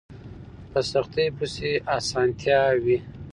په سختۍ پسې اسانتيا وي